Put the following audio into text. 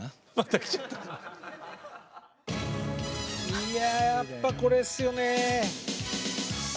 いややっぱこれっすよね。